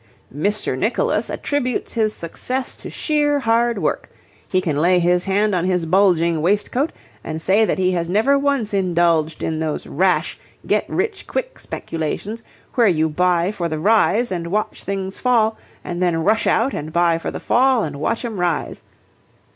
'Mr. Nicholas attributes his success to sheer hard work. He can lay his hand on his bulging waistcoat and say that he has never once indulged in those rash get rich quick speculations, where you buy for the rise and watch things fall and then rush out and buy for the fall and watch 'em rise.'